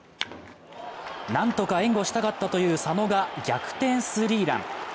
何とか援護したかったという佐野が逆転スリーラン。